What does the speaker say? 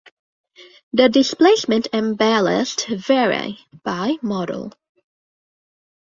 The displacement and ballast vary by model.